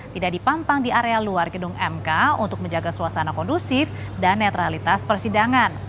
tidak dipampang di area luar gedung mk untuk menjaga suasana kondusif dan netralitas persidangan